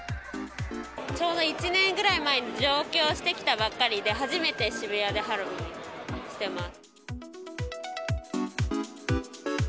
ちょうど１年ぐらい前に上京してきたばっかりで、初めて渋谷でハロウィーンしてます。